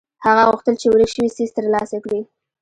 هغه غوښتل خپل ورک شوی څيز تر لاسه کړي.